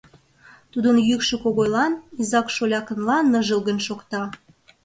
Тудын йӱкшӧ Когойлан изак-шолякынла ныжылгын шокта.